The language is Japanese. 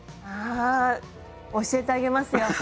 あ教えてあげますよ。